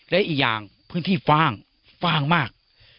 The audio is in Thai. และอีกอย่างพื้นที่ฟ่างฟ่างมาก